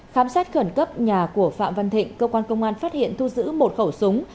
khám xét khẩn cấp nhà của phạm văn thịnh cơ quan công an phát hiện thu giữ một khẩu súng